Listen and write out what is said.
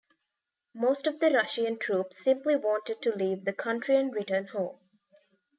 Most of the Russian troops simply wanted to leave the country and return home.